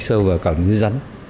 xơ vào cả những rắn